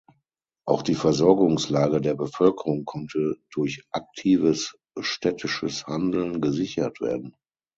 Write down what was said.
Auch die Versorgungslage der Bevölkerung konnte durch aktives städtisches Handeln gesichert werden.